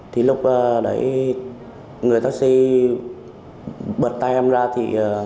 thì lúc đấy người taxi bật tay em ra thì